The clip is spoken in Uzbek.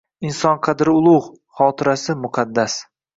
Inson qadri – ulug‘, xotirasi – muqaddas